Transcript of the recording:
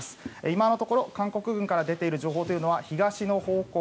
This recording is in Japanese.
今のところ韓国軍から出ている情報は東の方向